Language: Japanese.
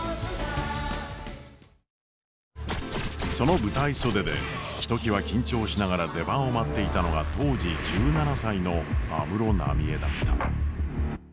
その舞台袖でひときわ緊張しながら出番を待っていたのが当時１７歳の安室奈美恵だった。